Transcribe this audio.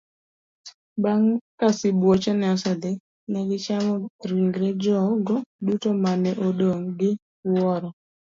Bang' ka sibuochego nosedhi, ne gichamo ringre jogo duto ma ne odong gi wuoro'.